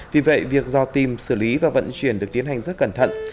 vì vậy việc do tìm xử lý và vận chuyển được tiến hành rất cẩn thận